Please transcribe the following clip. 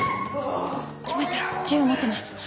来ました銃を持ってます。